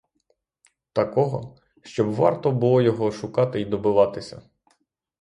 Такого, щоб варто було його шукати й добиватися.